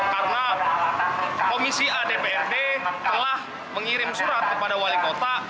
karena komisi a dprd telah mengirim surat kepada wali kota